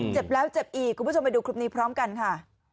เจ็บแล้วเจ็บอีกคุณผู้ชมไปดูคลิปนี้พร้อมกันค่ะ